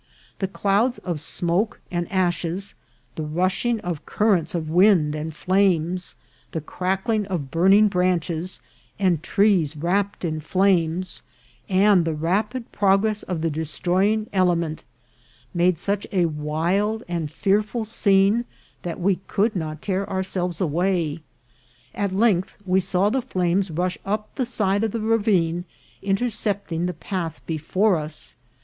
The clouds of smoke and ashes, the rushing of currents of wind and flames, the crackling of burning branches, and trees wrapped in flames, and the rapid progress of the destroying element, made such a wild and fearful A FOREST ON FIRE. 237 scene that we could not tear ourselves away. At length we saw the flames rush up the side of the ra vine, intercepting the path before us.